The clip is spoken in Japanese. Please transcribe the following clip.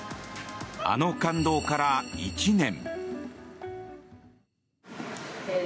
あの感動から１年。